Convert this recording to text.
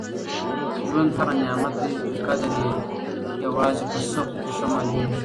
ژوند هغه نعمت دی چي قدر یې یوازې په سختیو کي ښه معلومېږي.